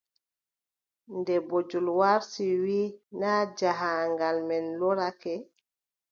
Nde bojel warti, wii, naa jahaangal men lorake?